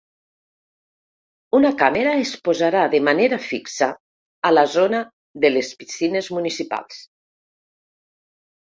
Una càmera es posarà de manera fixa a la zona de els piscines municipals.